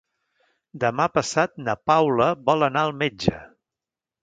Demà passat na Paula vol anar al metge.